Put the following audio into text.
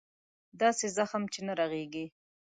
داسې زخم چې نه رغېږي.